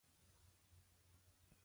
متل دی: له پردي زوی نه خپله لور ښه ده.